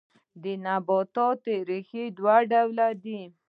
د نباتاتو ریښې دوه ډوله دي